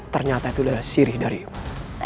ternyata itu adalah sirih darimu